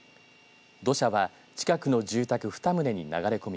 土砂は近くの住宅２棟に流れ込み